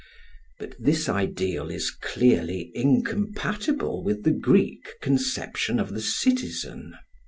But this ideal is clearly incompatible with the Greek conception of the citizen.